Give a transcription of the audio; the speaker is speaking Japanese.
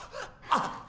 あっ！